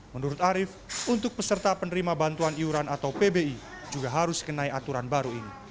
menurut arief untuk peserta penerima bantuan iuran atau pbi juga harus kenai aturan baru ini